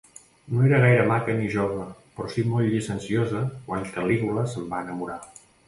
No era gaire maca ni jove, però si molt llicenciosa, quan Calígula se'n va enamorar.